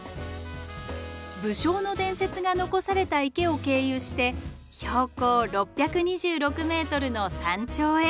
武将の伝説が残された池を経由して標高６２６ｍの山頂へ。